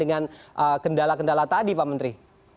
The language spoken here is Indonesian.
dengan kendala kendala tadi pak menteri